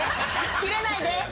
キレないで。